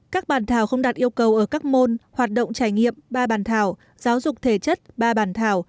các bản thảo không đạt yêu cầu ở các môn hoạt động trải nghiệm ba bản thảo giáo dục thể chất ba bản thảo